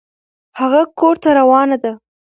هغه کور ته روان ده